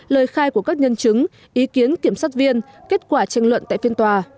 lời khai của các nhân chứng ý kiến kiểm sát viên kết quả tranh luận tại phiên tòa